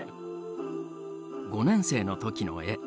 ５年生の時の絵。